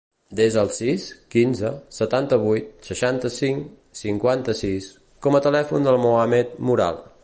Desa el sis, quinze, setanta-vuit, seixanta-cinc, cinquanta-sis com a telèfon del Mohamed Moral.